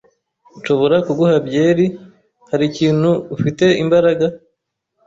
"Nshobora kuguha byeri?" "Hari ikintu ufite imbaraga?"